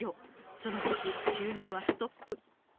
その時期収入はストップ。